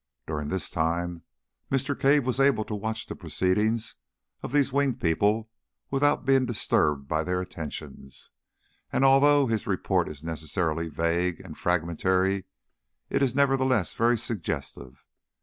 During this time Mr. Cave was able to watch the proceedings of these winged people without being disturbed by their attentions, and, although his report is necessarily vague and fragmentary, it is nevertheless very suggestive.